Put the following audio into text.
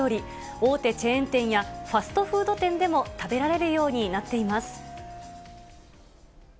大手チェーン店やファストフード店でも食べられるようになっています。